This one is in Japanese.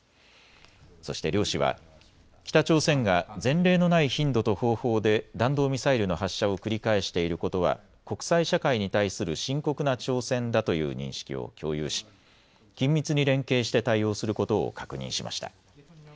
そして両氏は北朝鮮が前例のない頻度と方法で弾道ミサイルの発射を繰り返していることは国際社会に対する深刻な挑戦だという認識を共有し緊密に連携して対応することを確認しました。